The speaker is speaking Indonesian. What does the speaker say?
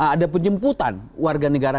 ada penjemputan warga negara